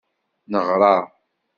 Neɣṛa.